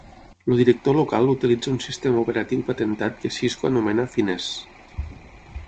El director local utilitza un sistema operatiu patentat que Cisco anomena Finesse.